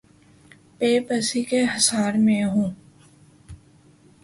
بے بسی کے حصار میں ہوں۔